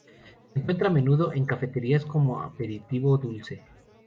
Se encuentra a menudo en cafeterías como aperitivo dulce.